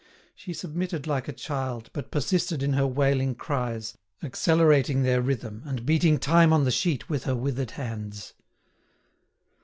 She submitted like a child, but persisted in her wailing cries, accelerating their rhythm, and beating time on the sheet with her withered hands.